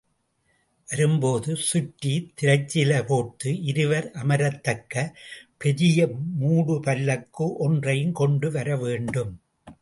வரும்போது சுற்றித் திரைச்சீலை போர்த்து இருவர் அமரத்தக்க பெரிய மூடுபல்லக்கு ஒன்றையும் கொண்டு வரவேண்டும்.